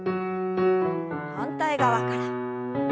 反対側から。